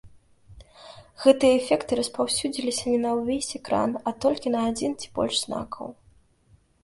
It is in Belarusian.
Гэтыя эфекты распаўсюдзіліся не на ўвесь экран, а толькі на адзін ці больш знакаў.